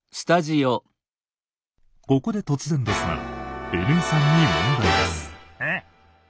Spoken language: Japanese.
ここで突然ですがＮ井さんに問題です。え？